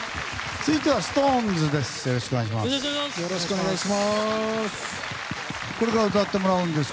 続いてはＳｉｘＴＯＮＥＳです。